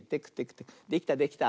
できたできた。